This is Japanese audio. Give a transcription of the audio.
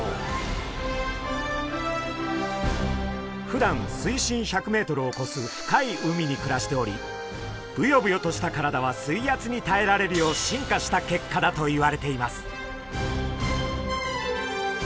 ふだん水深１００ｍをこす深い海に暮らしておりブヨブヨとした体は水圧にたえられるよう進化した結果だといわれています。